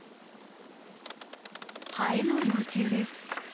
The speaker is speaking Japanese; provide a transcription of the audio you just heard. ハエの幼虫です。